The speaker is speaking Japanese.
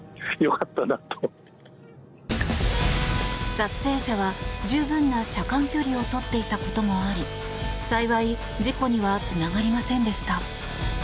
撮影者は、十分な車間距離をとっていたこともあり幸い、事故にはつながりませんでした。